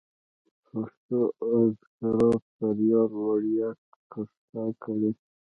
پښتو اذکار کاریال وړیا کښته کړئ.